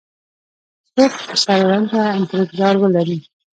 څوک به څرنګه انتظار ولري؟